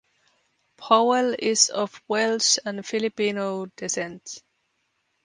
Powell is of Welsh and Filipino descent.